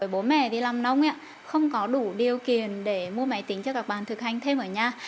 bố mẹ đi làm nông không có đủ điều kiện để mua máy tính cho các bạn thực hành thêm ở nhà